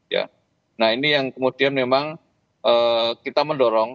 ya nah ini yang kemudian memang kita mendorong